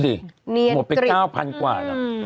นี่ดูสิหมดไป๙๐๐๐กว่า